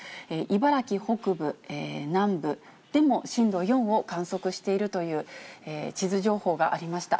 茨城北部、南部でも震度４を観測しているという地図情報がありました。